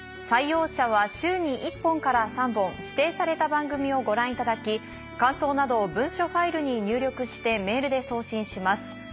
採用者は週に１本から３本指定された番組をご覧いただき感想などを文書ファイルに入力してメールで送信します。